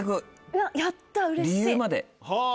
うわやったうれしい。